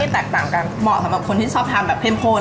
ให้แตกต่างกันเหมาะกับคนที่ชอบทำแบบเข้มขน